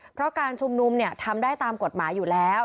เพราะการชุมนุมทำได้ตามกฎหมายอยู่แล้ว